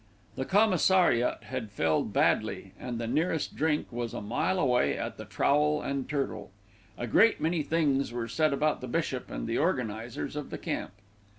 The commissariat had failed badly, and the nearest drink was a mile away at The Trowel and Turtle. A great many things were said about the bishop and the organisers of the camp.